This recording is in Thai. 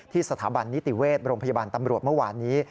สถาบันนิติเวชโรงพยาบาลตำรวจเมื่อวานนี้